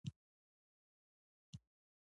له مصنوعي پولو ازادول